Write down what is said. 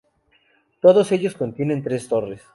Todos ellos contienen tres torres.